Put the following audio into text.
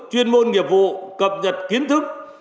chuyên môn nghiệp vụ cập nhật kiến thức